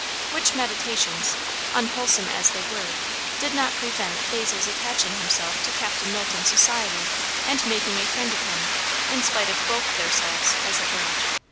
Which meditations, unwholesome as they were, did not prevent Basil's attaching himself to Captain Knowlton's society, and making a friend of him, in spite of both their selves, as it were.